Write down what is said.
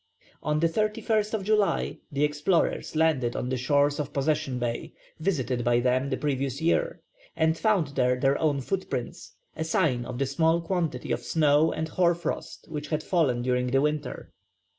On the 31st July the explorers landed on the shores of Possession Bay, visited by them the previous year, and found there their own footprints, a sign of the small quantity of snow and hoar frost which had fallen during the winter.